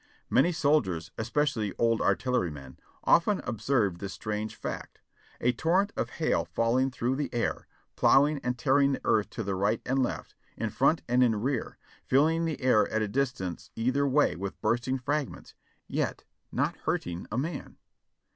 Many soldiers, especially old ar tillerymen, often observed this strange fact, a torrent of hail fall ing through the air, ploughing and tearing the earth to the right THE BATTLE OF THE WILDERNESS 53/ and left, in front and in rear, filling the air at a distance either way with bursting fragments, yet not hurting a man.